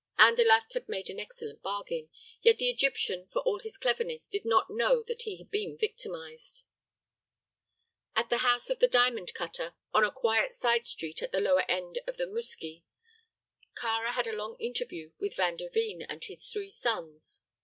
Andalaft had made an excellent bargain; yet the Egyptian, for all his cleverness, did not know that he had been victimized. At the house of the diamond cutter, on a quiet side street at the lower end of the Mouski, Kāra had a long interview with Van der Veen and his three sons.